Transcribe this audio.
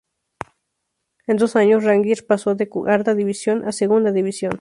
En dos años, Rangers pasó de Cuarta a Segunda división.